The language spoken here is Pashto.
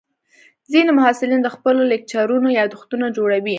ځینې محصلین د خپلو لیکچرونو یادښتونه جوړوي.